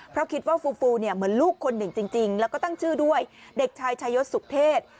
เพราะคิดว่าฟูฟูเนี่ยเหมือนลูกคนหนึ่งจริงแล้วก็ตั้งชื่อด้วยเด็กชายชายศสุเทศ